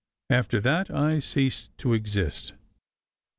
After that I ceased to exist.